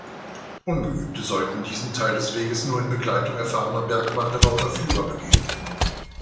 Ungeübte sollten diesen Teil des Weges nur in Begleitung erfahrener Bergwanderer oder Führer begehen.